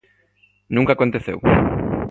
Nunca aconteceu.